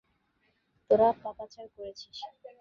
তোরা পাপাচার করেছিস!